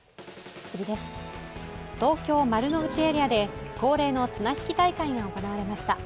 東京・丸の内エリアで恒例の綱引き大会が行われました。